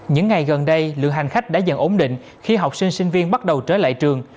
những ngày gần đây lượng hành khách đã dần ổn định khi học sinh sinh viên bắt đầu trở lại trường